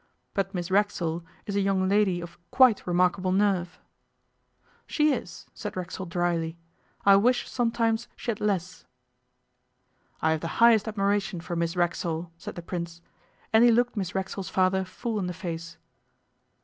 'But Miss Racksole is a young lady of quite remarkable nerve.' 'She is,' said Racksole drily. 'I wish sometimes she had less.' 'I have the highest admiration for Miss Racksole,' said the Prince, and he looked Miss Racksole's father full in the face.